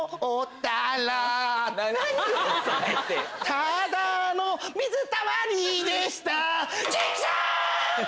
ただの水たまりでしたチクショ！